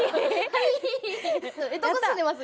どこ住んでます？